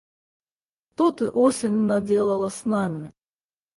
Что ты, осень, наделала с нами?